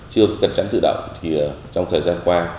chưa có cần chắn tự động thì trong thời gian qua